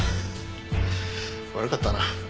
悪かったな。